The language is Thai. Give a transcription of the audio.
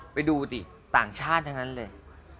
ไปดูดิต่างชาติทั้งนั้นเลย